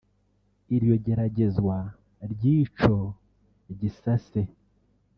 Iryo geragezwa ry'ico gisase